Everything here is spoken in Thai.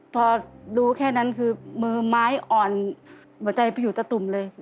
พอดูแค่นั้นคือมือไม้อ่อนหัวใจไปอยู่ตะตุ่มเลย